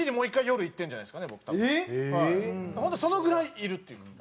本当そのぐらいいるっていう。